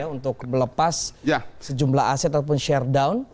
untuk melepas sejumlah aset ataupun share down